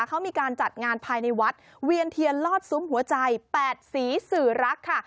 เขามีการจัดงานภายในวัดเวียนเทียนลอดซุ้มหัวใจ๘สีสื่อรักค่ะ